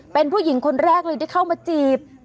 เป็นผู้หญิงคนแรกเลยที่เข้ามาจีบ